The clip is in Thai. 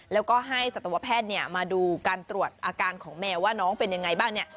แล้วก็ให้สัตวแพทย์เนี่ยมาดูการตรวจอาการของแมวว่าน้องเป็นยังไงบ้างเนี่ย